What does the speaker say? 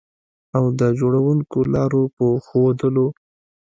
او د جوړوونکو لارو په ښودلو